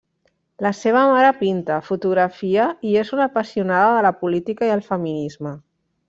La seva mare pinta, fotografia i és una apassionada de la política i el feminisme.